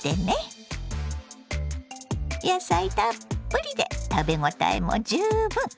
野菜たっぷりで食べ応えも十分。